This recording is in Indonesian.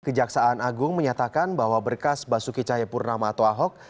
kejaksaan agung menyatakan bahwa berkas basuki cahayapurnama atau ahok